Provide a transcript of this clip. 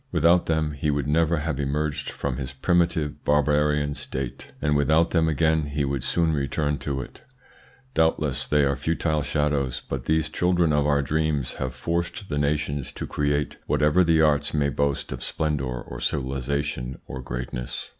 Without them he would never have emerged from his primitive barbarian state, and without them again he would soon return to it. Doubtless they are futile shadows; but these children of our dreams have forced the nations to create whatever the arts may boast of splendour or civilisation of greatness.